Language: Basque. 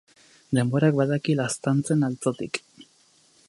Denborak badaki laztantzen altzotik.